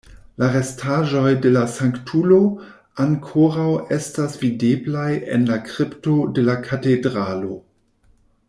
La restaĵoj de la sanktulo ankoraŭ estas videblaj en la kripto de la katedralo.